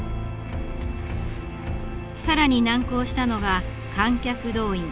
更に難航したのが観客動員。